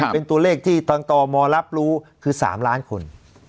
เป็นตัวเลขที่ทางตมรับรู้คือ๓ล้านคน